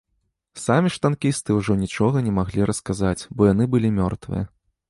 Самі ж танкісты ўжо нічога не маглі расказаць, бо яны былі мёртвыя.